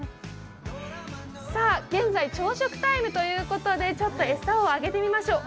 現在、朝食タイムということで餌をあげてみましょう。